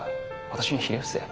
「私にひれ伏せ」。